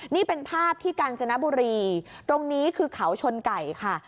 นี่เป็นภาพที่กาญจนบุรีตรงนี้คือเขาชนไก่ค่ะ